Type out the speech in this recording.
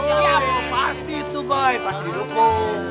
oh pasti tuh boy pasti didukung